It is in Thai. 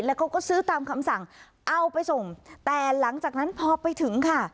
แล้วเขาก็ซื้อตามคำสั่งเอาไปส่งแต่หลังจากนั้นพอไปถึงค่ะ